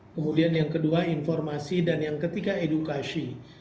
kemudian yang kedua informasi dan yang ketiga edukasi